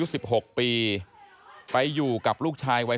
ไอ้แม่ได้เอาแม่ได้เอาแม่